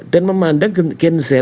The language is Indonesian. dan memandang gen z